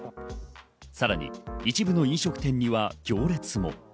さらに、一部の飲食店には行列も。